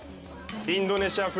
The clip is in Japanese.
インドネシア風？